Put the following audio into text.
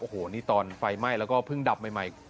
โอ้โหนี่ตอนไฟไหม้แล้วก็เพิ่งดับใหม่